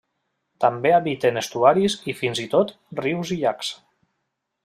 També habiten estuaris i fins i tot rius i llacs.